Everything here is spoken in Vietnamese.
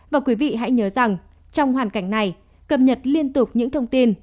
và quý vị hãy nhớ rằng trong hoàn cảnh này cập nhật liên tục những thông tin